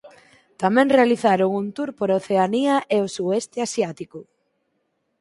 Tamén realizaron un tour por Oceanía e o Sueste asiático.